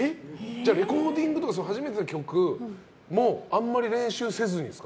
レコーディングとか初めての曲もあまり練習せずにですか？